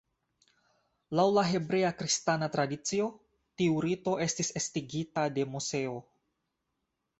Laŭ la hebrea-kristana tradicio, tiu rito estis estigita de Moseo.